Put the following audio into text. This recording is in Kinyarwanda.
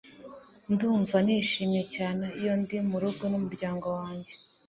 Ndumva nishimye cyane iyo ndi murugo n'umuryango wanjye.